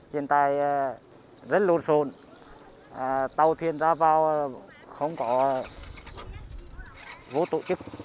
hiện tại rất lột xôn tàu thuyền ra vào không có vô tổ chức